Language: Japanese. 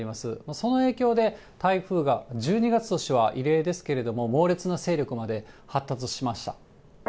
その影響で、台風が１２月としては異例ですけれども、猛烈な勢力まで発達しました。